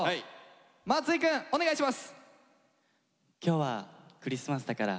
松井くんお願いします。